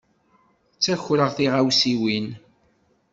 Ttakreɣ tiɣawsiwin.